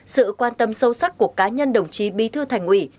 sự quan tâm sâu sắc của cá nhân đồng chí bí thư thành ủy